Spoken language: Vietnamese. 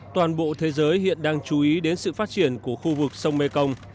toàn bộ thế giới hiện đang chú ý đến sự phát triển của khu vực sông mekong